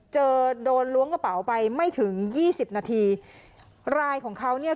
เจอโดนล้วงกระเป๋าไปไม่ถึงยี่สิบนาทีรายของเขาเนี่ย